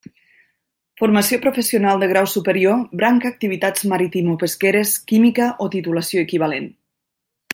Formació professional de grau superior, branca activitats maritimopesqueres, química, o titulació equivalent.